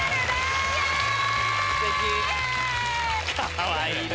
かわいいね。